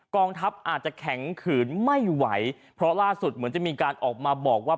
กองทัพอาจจะแข็งขืนไม่ไหวเพราะล่าสุดเหมือนจะมีการออกมาบอกว่า